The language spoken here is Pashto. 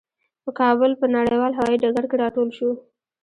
په کابل په نړیوال هوايي ډګر کې راټول شوو.